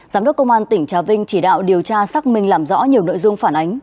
giám đốc công an tỉnh trà vinh chỉ đạo điều tra xác minh làm rõ nhiều nội dung phản ánh